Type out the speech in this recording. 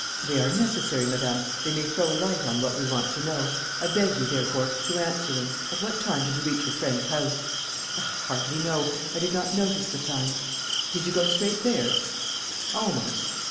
"They are necessary, Madame. They may throw a light on what we want to know. I beg you, therefore, to answer them. At what time did you reach your friend's house?" "I hardly know. I did not notice the time." "Did you go straight there?" "Almost."